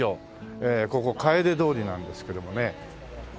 ええここかえで通りなんですけどもね。